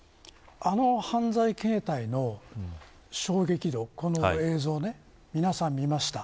あの犯罪形態の衝撃度この映像を皆さん見ました。